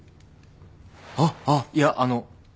あっあっいやあの。